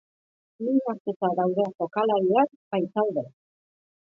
Min hartuta dauden jokalariak baitaude.